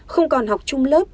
không còn học chung lớp